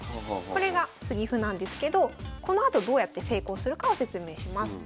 これが継ぎ歩なんですけどこのあとどうやって成功するかを説明します。